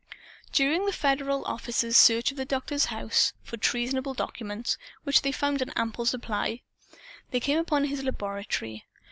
During the Federal officers' search of the doctor's house, for treasonable documents (of which they found an ample supply), they came upon his laboratory.